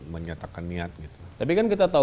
menyatakan niat gitu tapi kan kita tahu